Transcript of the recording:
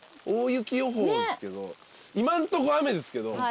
大雪予報っすけど今んとこ雨ですけど。